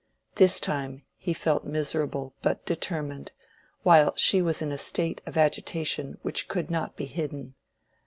This time he felt miserable but determined, while she was in a state of agitation which could not be hidden.